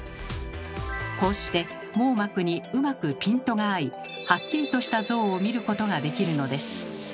こうして網膜にうまくピントが合いはっきりとした像を見ることができるのです。